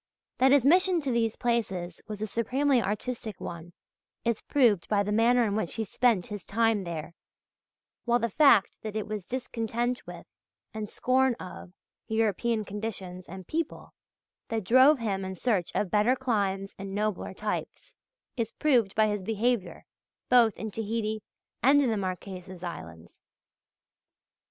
That his mission to these places was a supremely artistic one is proved by the manner in which he spent his time there, while the fact that it was discontent with, and scorn of, European conditions and people that drove him in search of better climes and nobler types, is proved by his behaviour both in Tahiti and in the Marquesas Islands.